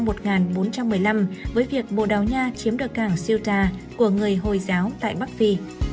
chủ nghĩa thực dân châu âu bắt đầu vào năm một nghìn bốn trăm một mươi năm với việc bồ đào nha chiếm được cảng siêu ta của người hồi giáo tại bắc phi